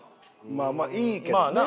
まあまあいいけどな。